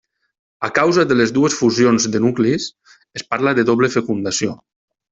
A causa de les dues fusions de nuclis, es parla de doble fecundació.